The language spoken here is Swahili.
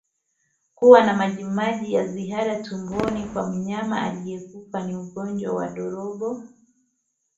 Kuwa na majimaji ya ziada tumboni kwa mnyama aliyekufa na ugonjwa wa ndorobo